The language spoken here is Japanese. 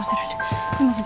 すいません